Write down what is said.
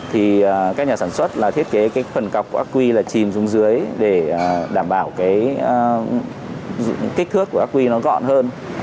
thì các nhà sản xuất là thiết kế cái phần cọc ác quy là chìm xuống dưới để đảm bảo cái kích thước của aqi nó gọn hơn